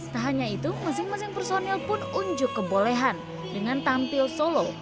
tak hanya itu masing masing personil pun unjuk kebolehan dengan tampil solo